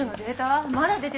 まだ出てないの？